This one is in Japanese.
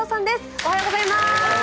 おはようございます。